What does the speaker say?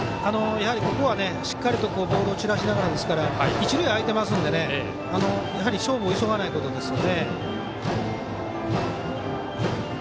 やはり、ここはボールを散らしながらですから一塁はあいてますのでやはり勝負を急がないことですよね。